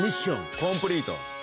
コンプリート。